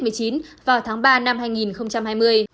covid một mươi chín vào tháng ba năm hai nghìn hai mươi